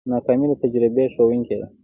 ناکامي د تجربې ښوونکې ده.